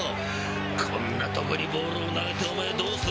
［こんなとこにボールを投げてお前どうするんだよ⁉］